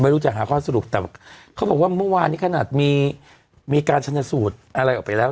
ไม่รู้จะหาข้อสรุปแต่เขาบอกว่าเมื่อวานนี้ขนาดมีการชนสูตรอะไรออกไปแล้ว